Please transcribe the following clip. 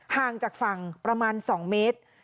ห่างจากฝั่งประมาณ๒เมตร